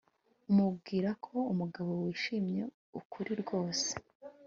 uwibwira ko umugabo wishimye arukuri rwose